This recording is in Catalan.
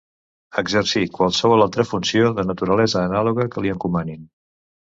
Exercir qualsevol altra funció de naturalesa anàloga que li encomanin.